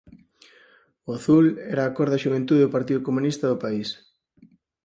O azul era a cor da xuventude do Partido Comunista do país.